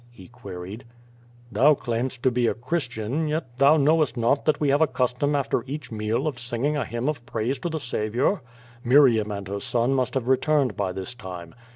he queried. "Thou claimst to be a Christian; yet thou knowest not that we liave a custom after each meal of singing a hymn of praise to the Saviour. Miriam and her son must have returned by this time.